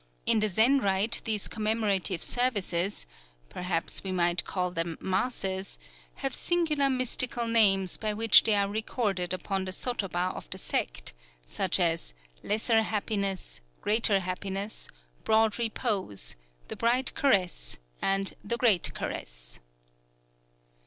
In the Zen rite these commemorative services (perhaps we might call them masses) have singular mystical names by which they are recorded upon the sotoba of the sect, such as Lesser Happiness, Greater Happiness, Broad Repose, The Bright Caress, and The Great Caress.